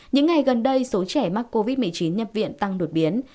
những ngày gần đây số trẻ mắc covid một mươi chín nhập viện tăng đột biến